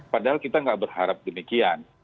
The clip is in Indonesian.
padahal kita nggak berharap demikian